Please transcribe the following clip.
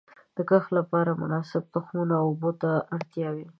د کښت لپاره مناسب تخمونو او اوبو ته اړتیا وي.